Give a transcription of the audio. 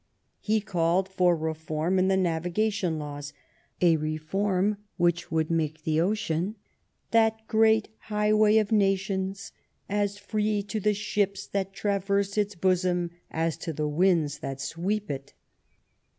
He called for reform in the naviga tion laws, a reform which would make the ocean, " that great highway of nations, as free to the ships that traverse its bosom as to the winds that sweep it."